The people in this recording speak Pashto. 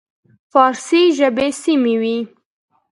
فارسي ژبې سیمې وې.